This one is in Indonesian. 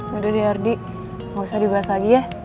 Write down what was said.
gak usah dibahas lagi ya